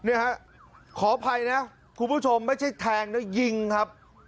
เนี่ยฮะขออภัยนะคุณผู้ชมไม่ใช่แทงนะยิงครับ